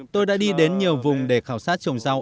tôi đã đi đến nhiều vùng để khảo sát trồng rau